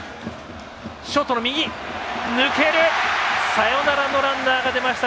サヨナラのランナーが出ました。